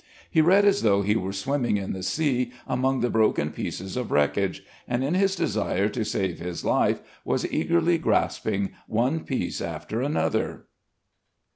He read as though he were swimming in the sea among the broken pieces of wreckage, and in his desire to save his life was eagerly grasping one piece after another.